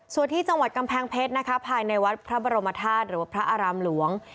ส่วนที่จังหวัดกำแพงเพชรนะคะภายในวัดพระบรมธาตุหรือว่าพระอารามหลวง